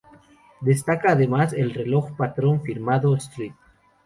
Destaca además el reloj patron firmado St.